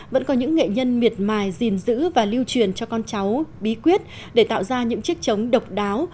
vẫn có những nghệ nhân miệt mài gìn giữ và lưu truyền cho con cháu bí quyết để tạo ra những chiếc trống độc đáo